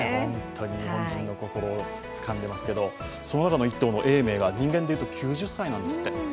日本人の心をつかんでますけどその中の１頭の永明は人間で言うと９０歳なんですって。